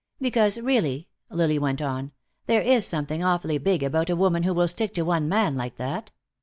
"Because really," Lily went on, "there is something awfully big about a woman who will stick to one man like that.